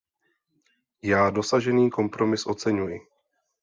Já dosažený kompromis oceňuji.